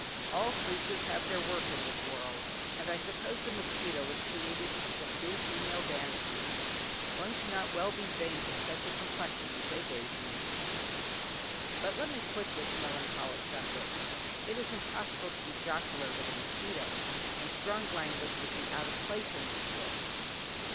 All creatures have their work in this world, and I suppose the mosquito was created to subdue female vanity; one cannot well be vain with such a complexion as they gave me. But let me quit this melancholy subject; it is impossible to be jocular with a mosquito, and strong language would be out of place in this book.